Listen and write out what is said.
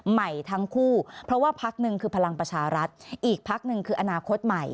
ใหม่ทั้งคู่เพราะว่าพักหนึ่งคือพลังประชารัฐอีกพักหนึ่งคืออนาคตใหม่